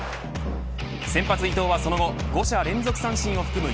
先発伊藤はその後５者連続三振を含む